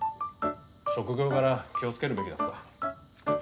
職業柄気をつけるべきだった。